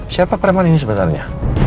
siapa preman ini sebenarnya